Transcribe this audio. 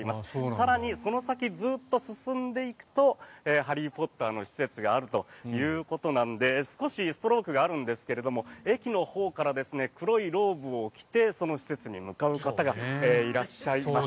更にその先、ずっと進んでいくと「ハリー・ポッター」の施設があるということで少しストロークがあるんですが駅のほうから黒いローブを着てその施設に向かう方がいらっしゃいます。